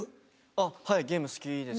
あっはいゲーム好きです。